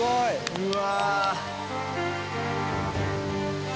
うわ。